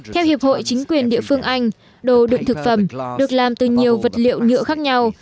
theo hiệp hội chính quyền địa phương anh đồ đựng thực phẩm được làm từ nhiều vật liệu nhựa khác nhau